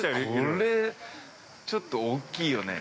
ちょっと大きいよね。